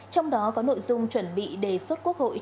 trong đó có nội dung chuẩn bị đề xuất quốc hội